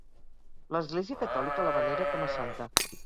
L'Església Catòlica la venera com a santa.